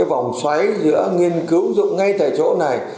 vòng xoáy giữa nghiên cứu ứng dụng ngay tại chỗ này